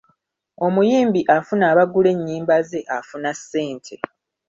Omuyimbi afuna abagula ennyimba ze afuna ssente.